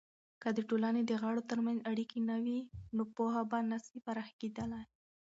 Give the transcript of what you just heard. که د ټولني دغړو ترمنځ اړیکې نه وي، نو پوهه به نسي پراخه کیدلی.